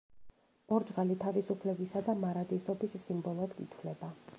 ბორჯღალი თავისუფლებისა და მარადისობის სიმბოლოდ ითვლება.